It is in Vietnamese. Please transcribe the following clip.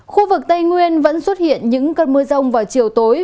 khu vực tây nguyên vẫn xuất hiện những cơn mưa rông vào chiều tối